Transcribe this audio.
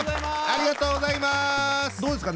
ありがとうございます。